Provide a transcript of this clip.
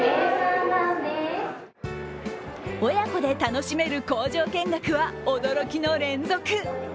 親子で楽しめる工場見学は驚きの連続。